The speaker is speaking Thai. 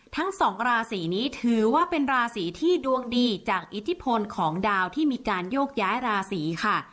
ทั้งสองราศีนี้ถือว่าเป็นราศีที่ดวงดีจากอิทธิพลของดาวที่มีการโยกย้ายราศีค่ะ